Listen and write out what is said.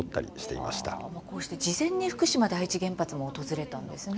こうして事前に福島第一原発も訪れたんですね。